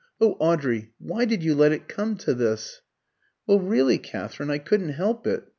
Oh, Audrey, why did you let it come to this?" "Well, really, Katherine, I couldn't help it.